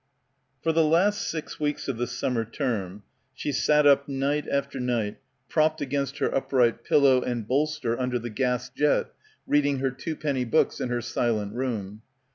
For the last six weeks of the summer term she sat up night after night propped against her up right pillow and bolster under the gas jet reading her twopenny books in her silent room.